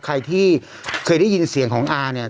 ใครที่เคยได้ยินเสียงของอาเนี่ย